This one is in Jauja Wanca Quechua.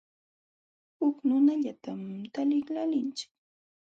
Huk nunallatam taliqlaalinchik.